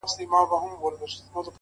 o د ژوندون ساه او مسيحا وړي څوك.